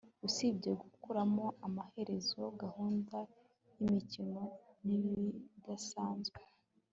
usibye gukuramo amaherezo gahunda yimikino nibidasanzwe